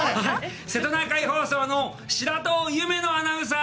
瀬戸内海放送の白戸ゆめのアナウンサー。